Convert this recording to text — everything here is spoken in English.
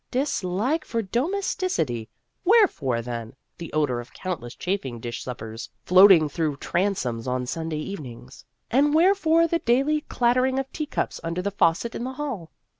Dislike for domesticity ! Wherefore, then, the odor of countless chafing dish suppers floating through transoms on Sunday evenings ? And wherefore the daily clattering of tea cups under the faucet in the hall